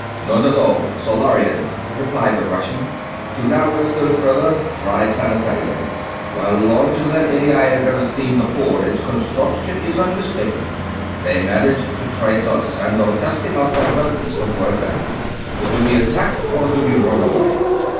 "None at all Solarian," replied the Russian. "To narrow it still further, Triplanetarian. While larger than any I have ever seen before, its construction is unmistakable. They managed to trace us, and are testing out their weapons before attacking. Do we attack or do we run away?"